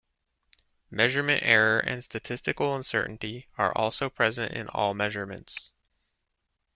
Measurement error and statistical uncertainty are also present in all measurements.